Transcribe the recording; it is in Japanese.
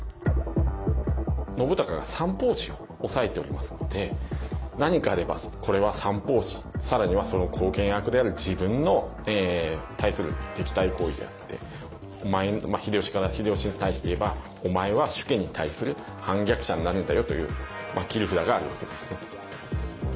信孝が三法師を抑えておりますので何かあればこれは三法師更にはその後見役である自分の対する敵対行為であって秀吉に対して言えばお前は主家に対する反逆者になるんだよという切り札があるわけですね。